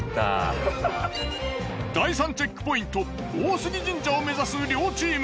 第３チェックポイント大杉神社を目指す両チーム。